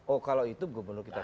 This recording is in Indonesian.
oh kalau itu gubernur kita